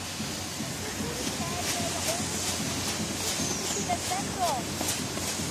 The Sisters of Charity are the only remaining religious institute at Central.